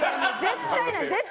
絶対ない！